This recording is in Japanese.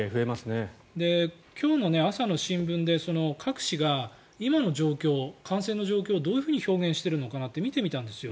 今日の朝の新聞で各紙が今の状況、感染の状況をどういうふうに表現しているのか見てみたんですよ。